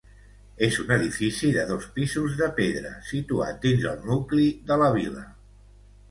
És un edifici de dos pisos de pedra, situat dins el nucli de la vila.